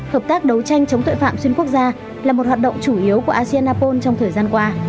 hợp tác đấu tranh chống tội phạm xuyên quốc gia là một hoạt động chủ yếu của asean apol trong thời gian qua